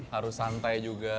harus santai juga